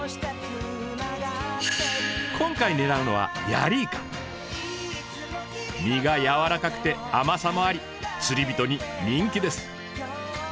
今回狙うのは身が柔らかくて甘さもあり釣りびとに人気です。